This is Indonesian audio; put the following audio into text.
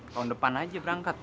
kawan depan aja berangkat